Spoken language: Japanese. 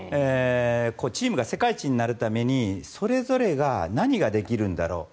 チームが世界一になるためにそれぞれが何ができるんだろうと。